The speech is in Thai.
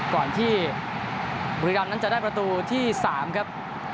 ก่อนที่บุรีรำนั้นจะได้ประตูที่๓ครับ